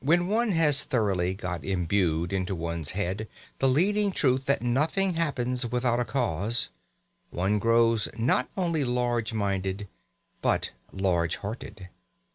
When one has thoroughly got imbued into one's head the leading truth that nothing happens without a cause, one grows not only large minded, but large hearted.